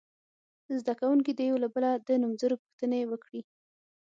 زده کوونکي دې یو له بله د نومځرو پوښتنې وکړي.